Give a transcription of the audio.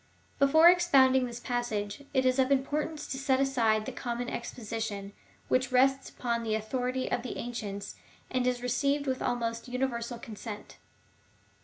Before ex pounding this passage, it is of importance to set aside the common exposition, which rests upon the authority of the ancients, and is received with almost universal consent.